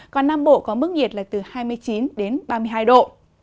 còn nam bộ có mức nhiệt là từ hai mươi chín đến ba mươi hai độ